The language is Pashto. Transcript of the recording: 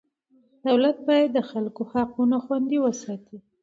دولت باید د خلکو حقونه خوندي وساتي.